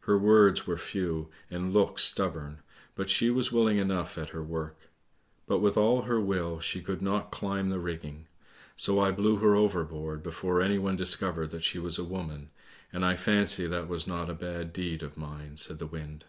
Her words were few and looks stubborn, but she was willing enough at her work. But with all her will she could not. climb the rigging; so I blew her over board before anyone discovered that she was a woman, and I fancy that was not a bad deed of mine! " said the wind.